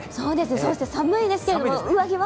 そして寒いですけども、上着は？